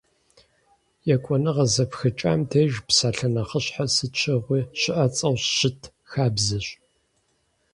Екӏуныгъэ зэпхыкӏэм деж псалъэ нэхъыщхьэр сыт щыгъуи щыӏэцӏэу щыт хабзэщ.